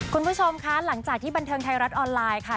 คุณผู้ชมคะหลังจากที่บันเทิงไทยรัฐออนไลน์ค่ะ